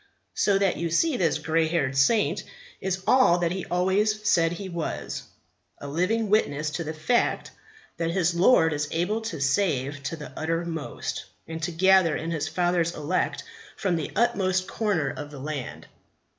So that you see this grey haired saint is all that he always said he was a living witness to the fact that his Lord is able to save to the uttermost, and to gather in His Father's elect from the utmost corner of the land.